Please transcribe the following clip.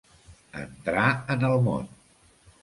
Entrar en el món.